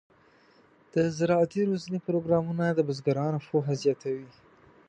د زراعتي روزنې پروګرامونه د بزګرانو پوهه زیاتوي.